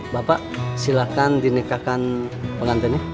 bapak silahkan dinikahkan pengantinnya